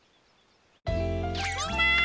みんな！